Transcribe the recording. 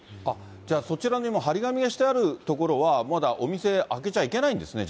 じゃあ、そちらにも貼り紙がしてある所は、まだお店、開けちゃいけないんですね？